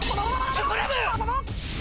チョコラブ！